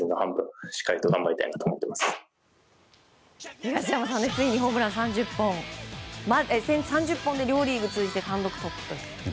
東山さんついにホームラン３０本で両リーグ通じて単独トップです。